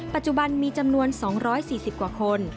ปัจจุบันมีจำนวน๒๔๐กว่าคน